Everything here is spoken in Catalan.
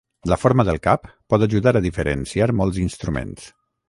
La forma del cap pot ajudar a diferenciar molts instruments.